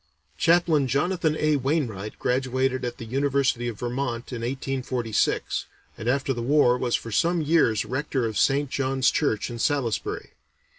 Chaplain Jonathan A. Wainwright graduated at the University of Vermont in 1846, and after the war was for some years rector of St. John's Church in Salisbury.